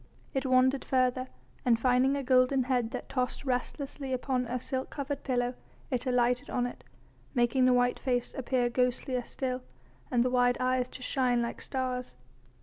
It wandered further, and finding a golden head that tossed restlessly upon a silk covered pillow, it alighted on it, making the white face appear ghostlier still, and the wide eyes to shine like stars.